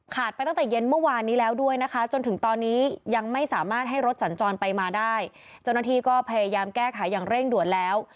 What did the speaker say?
ไปตั้งแต่เย็นเมื่อวานนี้แล้วด้วยนะคะจนถึงตอนนี้ยังไม่สามารถให้รถสัญจรไปมาได้เจ้าหน้าที่ก็พยายามแก้ไขอย่างเร่งด่วนแล้ว